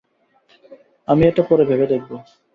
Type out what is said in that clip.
আমি এটা পরে ভেবে দেখব।